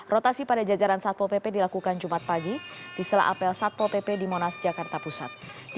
rotasi pada jajaran satpo pp dilakukan jumat pagi di sela apel satpol pp di monas jakarta pusat